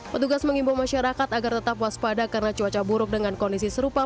petugas mengimbau masyarakat agar tetap waspada karena cuaca buruk dengan kondisi serupa